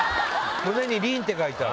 胸に「りん」って書いてある。